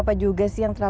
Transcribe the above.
aku bukain ya